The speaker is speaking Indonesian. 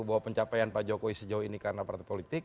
bahwa pencapaian pak jokowi sejauh ini karena partai politik